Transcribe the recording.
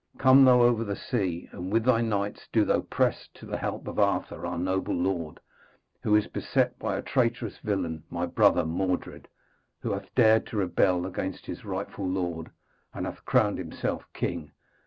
Come thou over the sea, and with thy knights do thou press to the help of Arthur, our noble lord, who is beset by a traitorous villain, my brother Mordred, who hath dared to rebel against his rightful lord, and hath crowned himself king.